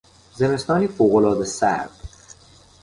زمستانی فوقالعاده سرد